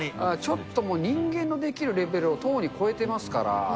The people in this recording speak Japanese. ちょっともう、人間のできるレベルをとうに超えてますから。